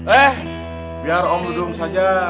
eh biar om ludung saja